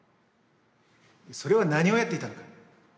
それは何をやっていたのか。